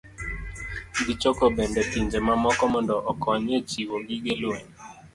Gichoko bende pinje mamoko mondo okony e chiwo gige lweny